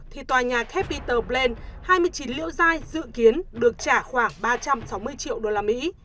thì tòa nhà capital bland hai mươi chín liễu giai dự kiến được trả khoảng ba trăm sáu mươi triệu đô la mỹ